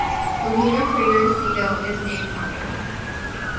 The lunar crater Seidel is named after him.